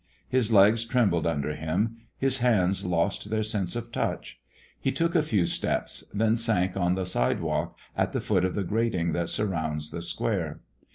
His legs trembled under him; his hands lost their sense of touch. He took a few steps, then sank on the sidewalk at the foot of the grating that surrounds the square.